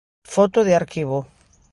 Foto de arquivo.